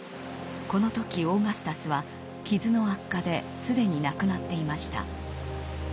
この時オーガスタスは傷の悪化で既に亡くなっていました。